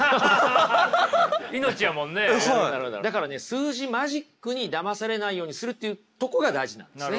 数字マジックにだまされないようにするっていうとこが大事なんですね。